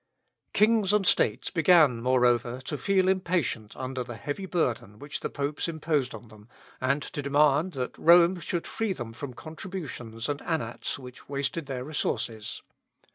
Annal. ad. an. 1520. Kings and states began, moreover, to feel impatient under the heavy burden which the popes imposed on them, and to demand that Rome should free them from contributions and annats which wasted their resources.